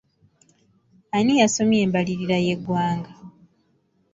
Ani yasomye embalirira y'eggwanga?